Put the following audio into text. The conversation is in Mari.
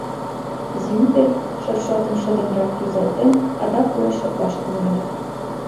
Зимпель, шершотым шыдынрак рӱзалтен, адак уэш шотлаш тӱҥале.